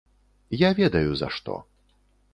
Я ведаю за што.